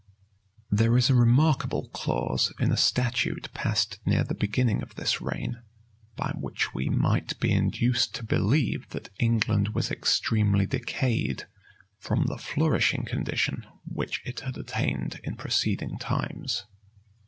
There is a remarkable clause in a statute passed near the beginning of this reign,[*] by which we might be induced to believe that England was extremely decayed from the flourishing condition which it had attained in preceding times.